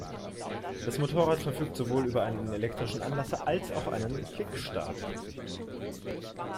Das Motorrad verfügt sowohl über einen elektrischen Anlasser als auch einen Kickstarter.